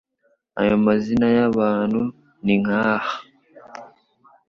Ayo mazina y'ahantu ni nk'aha :